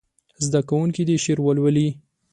زده کوونکي دې شعر ولولي.